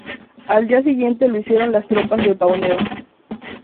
Al día siguiente lo hicieron las tropas de Paunero.